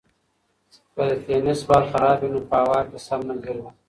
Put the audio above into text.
که د تېنس بال خراب وي نو په هوا کې سم نه ګرځي.